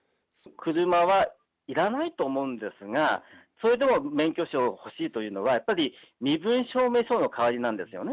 車はいらないと思うんですが、それでも免許証欲しいというのは、やっぱり身分証明書の代わりなんですよね。